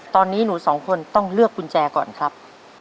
ตอนนี้หนูสองคนต้องเลือกกุญแจก่อนครับ